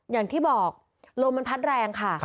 อย่างที่บอกลมมันพัดแรงค่ะ